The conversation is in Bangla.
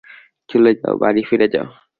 চলে যাও, বাড়ি ফিরে যাও।